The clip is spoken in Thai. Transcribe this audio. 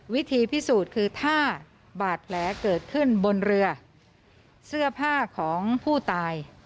วิธีพิสูจน์คือถ้าบาดแผลเกิดขึ้นบนเรือเสื้อผ้าของผู้ตาย